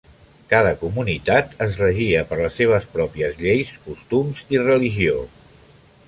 Cada comunitat es regia per les seves pròpies lleis, costums i religió.